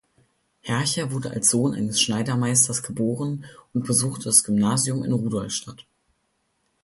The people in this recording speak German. Hercher wurde als Sohn eines Schneidermeisters geboren und besuchte das Gymnasium in Rudolstadt.